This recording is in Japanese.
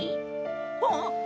あっ！